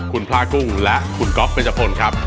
คุณพลากุ้งและคุณก๊อฟเบนจพลครับ